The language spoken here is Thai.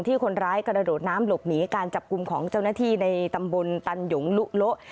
คนร้ายกระโดดน้ำหลบหนีการจับกลุ่มของเจ้าหน้าที่ในตำบลตันหยงลุโละ